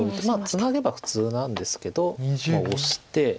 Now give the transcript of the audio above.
ツナげば普通なんですけどオシて。